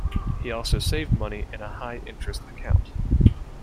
He also saved money in a high interest account.